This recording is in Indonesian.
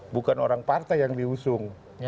bukan orang partai yang diusung